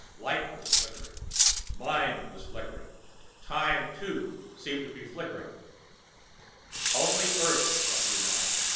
Light was flickering, mind was flickering, time, too, seemed to flicker.... Only Earth! thought Brunei.